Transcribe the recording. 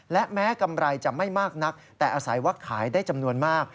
และแม้กำไรจะไม่มากนักแต่อาศัยว่าขายได้จำนวนมาก